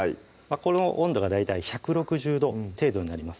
この温度が大体１６０℃程度になります